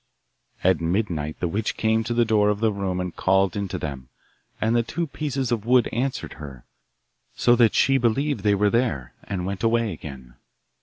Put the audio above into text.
At midnight the witch came to the door of the room and called in to them, and the two pieces of wood answered her, so that she believed they were there, and went away again.